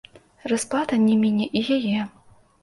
Расплата не міне і яе.